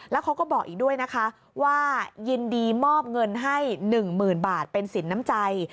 แล้วเขาก็บอกอีกด้วยนะคะว่ายินดีมอบเงินให้๑๐๐๐บาทเป็นสินน้ำใจ